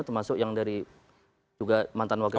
termasuk yang dari juga mantan wakil